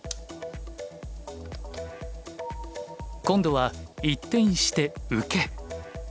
今度は一転して受け。